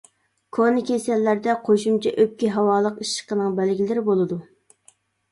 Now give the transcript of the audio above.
كونا كېسەللەردە قوشۇمچە ئۆپكە ھاۋالىق ئىششىقىنىڭ بەلگىلىرى بولىدۇ.